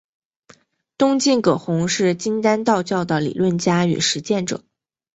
东晋葛洪是金丹道教的理论家与实践者。